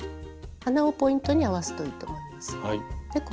鼻をポイントに合わすといいと思います。